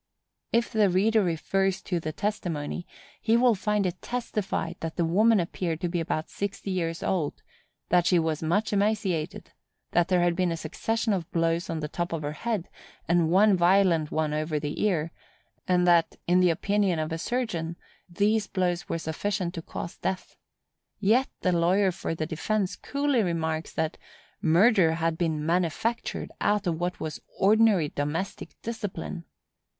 If the reader refers to the testimony, he will find it testified that the woman appeared to be about sixty years old; that she was much emaciated; that there had been a succession of blows on the top of her head, and one violent one over the ear; and that, in the opinion of a surgeon, these blows were sufficient to cause death. Yet the lawyer for the defence coolly remarks that "murder had been manufactured out of what was ordinary domestic discipline."